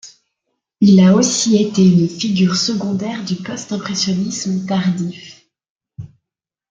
Il a aussi été une figure secondaire du postimpressionnisme tardif.